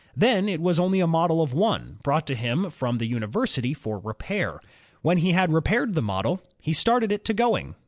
Then it was only a model of one, brought to him from the uni versity for repair. When he had repaired the model, he started it to going.